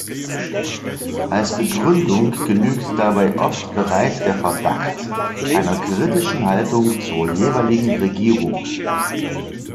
Als Begründung genügt dabei oft bereits der Verdacht einer kritischen Haltung zur jeweiligen Regierung.